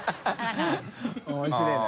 面白いな。